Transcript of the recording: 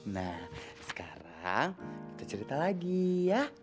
nah sekarang kita cerita lagi ya